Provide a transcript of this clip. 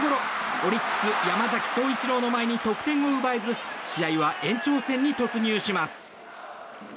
オリックス、山崎颯一郎の前に得点を奪えず試合は延長戦に突入します。